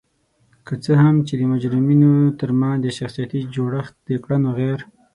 که څه هم چې د مجرمینو ترمنځ د شخصیتي جوړخت د کړنو غیر